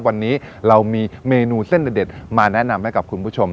วันนี้เรามีเมนูเส้นเด็ดมาแนะนำให้กับคุณผู้ชม